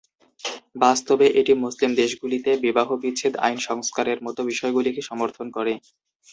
বাস্তবে এটি মুসলিম দেশগুলিতে বিবাহ বিচ্ছেদ আইন সংস্কারের মতো বিষয়গুলিকে সমর্থন করে।